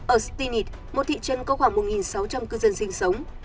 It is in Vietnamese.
ở styny một thị trấn có khoảng một sáu trăm linh cư dân sinh sống